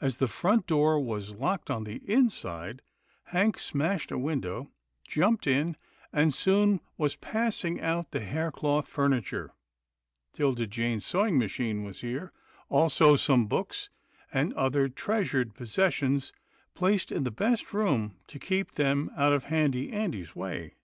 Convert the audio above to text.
As the front door was locked on 246 'TILDA JANE'S ORPHANS the inside, Hank smashed a window, jumped in, and soon was passing out the haircloth furni ture. 'Tilda Jane's sewing machine was here, also some books, and other treasured possessions placed in the best room to keep them out of Handy Andy's way.